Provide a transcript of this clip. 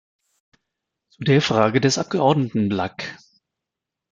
Zu der Frage des Abgeordneten Blak.